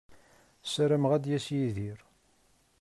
Ssarameɣ ad d-yas Yidir.